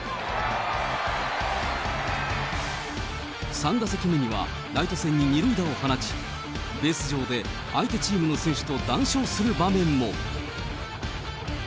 ３打席目にはライト線に２塁打を放ち、ベース上で相手チームの選手と談笑する場面も。